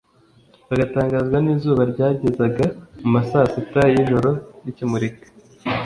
bagatangazwa nizuba ryagezaga mu ma saa sita y ijoro rikimurika